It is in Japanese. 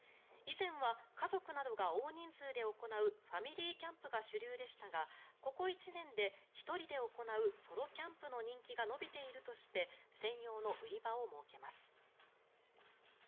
以前は家族などが大人数で行うファミリーキャンプが主流でしたがここ１年で１人で行うソロキャンプの人気が伸びているとして専用の売り場を設けます。